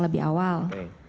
saya akan datang lebih awal